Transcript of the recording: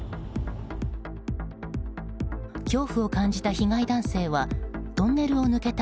恐怖を感じた被害男性はトンネルを抜けた